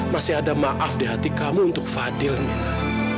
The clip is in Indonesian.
masih ada maaf di hati kamu untuk fadil minta